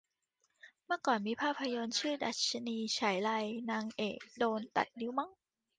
เมื่อก่อนมีภาพยนต์ชื่อดรรชนีไฉไล นางเอกโดนตัดนิ้วมั้ง